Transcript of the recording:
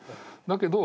だけど。